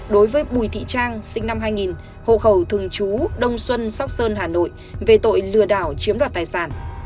đối với bùi thị trang sinh năm hai nghìn hộ khẩu thường chú đông xuân sóc sơn hà nội về tội lừa đảo chiếm đoạt tài sản